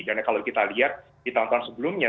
dan kalau kita lihat di tahun tahun sebelumnya